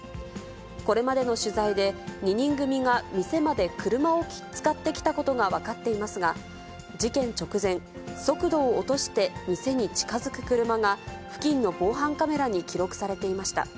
これまでの取材で、２人組が店まで車を使って来たことが分かっていますが、事件直前、速度を落として店に近づく車が、付近の防犯カメラに記録されていました。